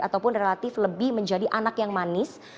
ataupun relatif lebih menjadi anak yang manis